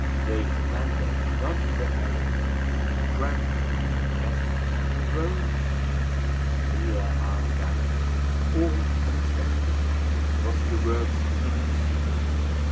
Gave the mandate not the herald. Trumpeting, as on he rode? Near our downs, all unexpected, Was the work's beginning seen.